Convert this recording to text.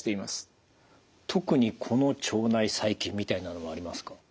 特にこの腸内細菌みたいなのはありますか？